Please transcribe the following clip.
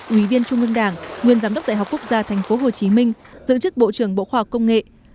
quý viên trung ương đảng nguyên giám đốc đại học quốc gia tp hcm giữ chức bộ trưởng bộ khoa học công nghệ